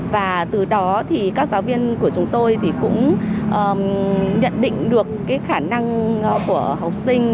và từ đó thì các giáo viên của chúng tôi thì cũng nhận định được cái khả năng của học sinh